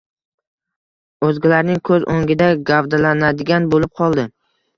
o‘zgalarning ko‘z o‘ngida gavdalanadigan bo‘lib qoldi?